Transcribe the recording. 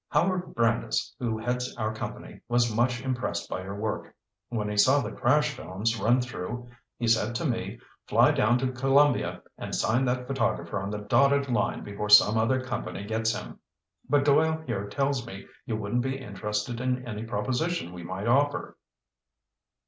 "Howard Brandiss, who heads our company, was much impressed by your work. When he saw the crash films run through he said to me: 'Fly down to Columbia and sign that photographer on the dotted line before some other company gets him.' But Doyle here tells me you wouldn't be interested in any proposition we might offer."